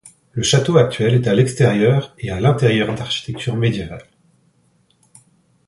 Le château actuel est à l'extérieur et à l'intérieur d'architecture médiévale.